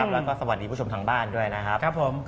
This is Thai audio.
แล้วก็สวัสดีผู้ชมทางบ้านด้วยนะครับผม